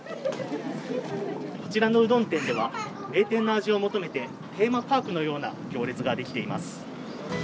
こちらのうどん店では、名店の味を求めて、テーマパークのような行列が出来ています。